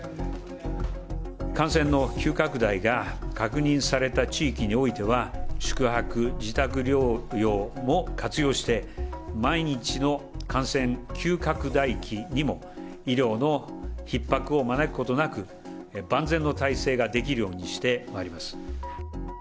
感染の急拡大が確認された地域においては、宿泊、自宅療養も活用して、万一の感染急拡大期にも、医療のひっ迫を招くことなく、万全の体制ができるようにしてまいります。